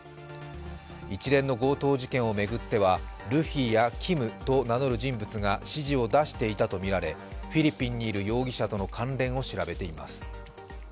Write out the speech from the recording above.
一連の強盗事件を巡ってはルフィやＫｉｍと名乗る人物が指示を出していたとみられフィリピンにいる容疑者との関連を調べています。